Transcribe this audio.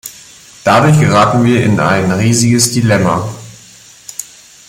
Dadurch geraten wir in ein riesiges Dilemma.